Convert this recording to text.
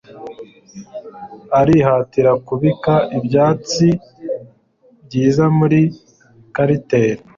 Arihatira kubika ibyatsi byiza muri quartier.